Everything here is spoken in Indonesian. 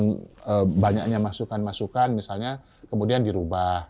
dengan banyaknya masukan masukan misalnya kemudian dirubah